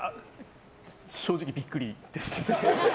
正直びっくりです。